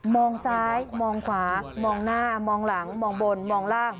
มองซ้ายมองขวามองหน้ามองหลังมองบนมองล่าง